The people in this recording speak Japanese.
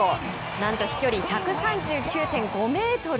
なんと飛距離１３９．５メートル。